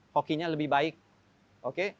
hokinya lebih baik oke